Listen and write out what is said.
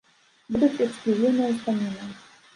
Будуць і эксклюзіўныя ўспаміны.